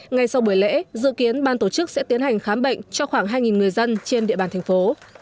ngay sau buổi lễ dự kiến ban tổ chức sẽ tiến hành khám bệnh cho khoảng hai người dân trên địa bàn thành phố